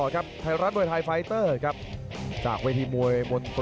ครับทัยรัดโดยไทยไฟเตอร์ครับจากเวทีมวย